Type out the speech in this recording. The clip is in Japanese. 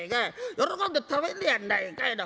喜んで食べんねやないかいな。